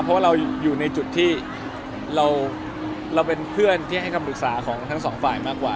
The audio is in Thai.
เพราะว่าเราอยู่ในจุดที่เราเป็นเพื่อนที่ให้คำปรึกษาของทั้งสองฝ่ายมากกว่า